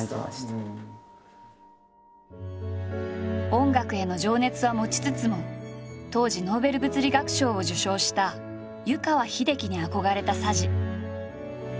音楽への情熱は持ちつつも当時ノーベル物理学賞を受賞した湯川秀樹に憧れた佐治。